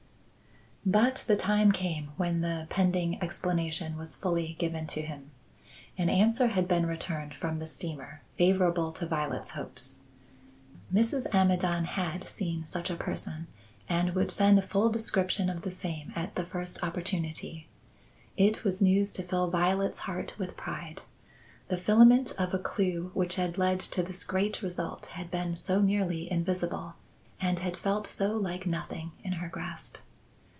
But the time came when the pending explanation was fully given to him. An answer had been returned from the steamer, favourable to Violet's hopes. Mrs. Amidon had seen such a person and would send a full description of the same at the first opportunity. It was news to fill Violet's heart with pride; the filament of a clue which had led to this great result had been so nearly invisible and had felt so like nothing in her grasp.